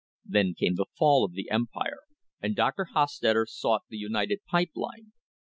Then came the fall of the Empire and Dr. Hostetter sought the United Pipe Line.